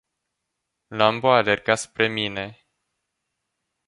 Lambu a alergat spre mine.